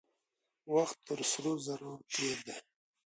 وخت تر سرو زرو تېر دی.